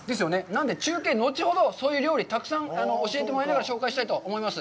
なので中継、後ほど、そういう料理、たくさん教えてもらいながら紹介したいと思います。